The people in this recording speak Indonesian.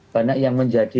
banyak yang menjadi